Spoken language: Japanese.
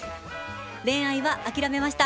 恋愛は諦めました。